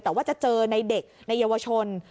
แต่ว่าจะเจอในเด็กในเยาวชน